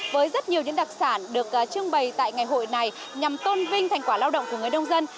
với rất nhiều những đặc sản được trưng bày tại ngày hội này nhằm tôn vinh thành quả lao động của người nông dân